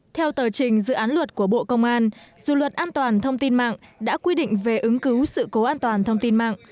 theo tờ trình dự án luật của bộ công an dù luật an toàn thông tin mạng đã quy định về ứng cứu sự cố an toàn thông tin mạng